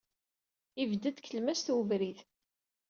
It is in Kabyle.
Yebded deg tlemmast n ubrid.